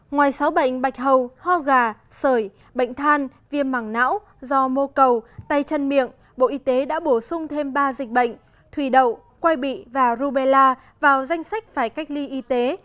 ngoài sáu bệnh bạch hầu ho gà sởi bệnh than viêm mảng não do mô cầu tay chân miệng bộ y tế đã bổ sung thêm ba dịch bệnh thủy đậu quay bị và rubella vào danh sách phải cách ly y tế